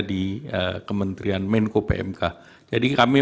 di kementerian menko pmk jadi kami